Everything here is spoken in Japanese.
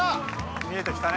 見えてきたね